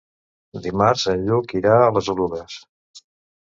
Dimarts en Lluc irà a les Oluges.